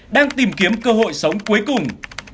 đang tìm kiếm cơ hội sống cuối cùng